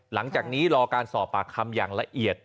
หลังจากนี้รอการสอบปากคำอย่างละเอียด